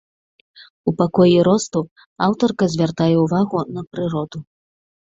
У пакоі росту аўтарка звяртае ўвагу на прыроду.